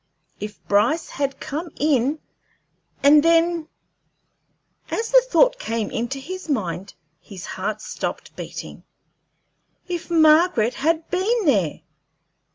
If Bryce had come in! and then" as the thought came into his mind his heart stopped beating "if Margaret had been there!"